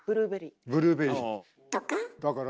ブルーベリー。とか？